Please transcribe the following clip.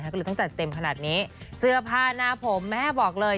ก็เลยต้องจัดเต็มขนาดนี้เสื้อผ้าหน้าผมแม่บอกเลย